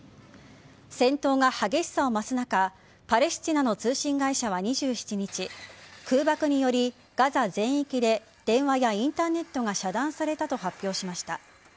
戦闘で激しさを増す中パレスチナの通信会社は２７日空爆により、ガザ全域で電話やインターネットが遮断されたと発表しました。